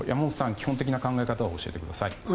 基本的な考え方を教えてください。